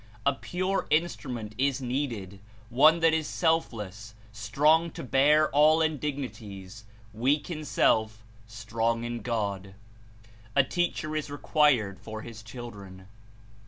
A pure instrument is needed, one that is self less, strong to bear all indignities, weak in self, strong in God. A Teacher Is required for his children.